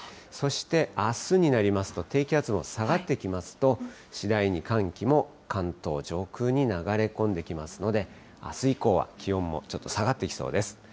そして、あすになりますと、低気圧も下がってきますと、次第に寒気も関東上空に流れ込んできますので、あす以降は気温もちょっと下がっていきそうです。